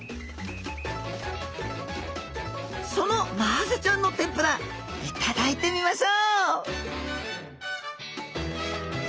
そのマハゼちゃんの天ぷら頂いてみましょう！